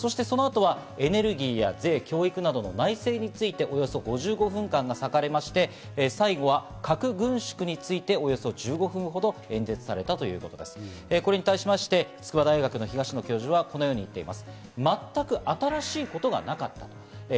そしてその後、エネルギーや税・教育などの内政について、およそ５５分間割かれまして、最後は核軍縮について、およそ１５分半、演説されたということで、これに対して筑波大学の東野教授はこのように言っています。